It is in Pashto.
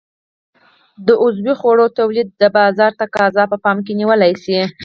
د عضوي خوړو تولید د بازار تقاضا په پام کې نیول شي.